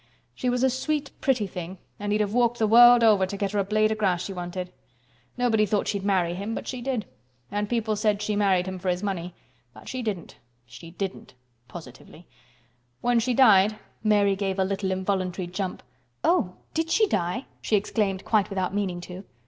"She was a sweet, pretty thing and he'd have walked the world over to get her a blade o' grass she wanted. Nobody thought she'd marry him, but she did, and people said she married him for his money. But she didn't—she didn't," positively. "When she died—" Mary gave a little involuntary jump. "Oh! did she die!" she exclaimed, quite without meaning to.